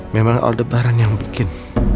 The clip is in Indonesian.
memang aldebaran yang bikin